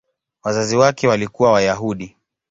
Wazazi wake walikuwa Wayahudi.